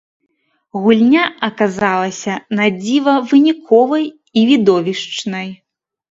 Гульня аказалася надзіва выніковай і відовішчнай.